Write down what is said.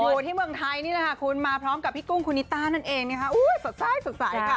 อยู่ที่เมืองไทยนี่นะคะคุณมาพร้อมกับพี่กุ้งคุณนิต้านั่นเองสดใสค่ะ